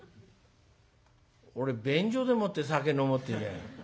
「俺便所でもって酒飲もうってんじゃない。